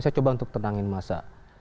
saya coba untuk tenangin masa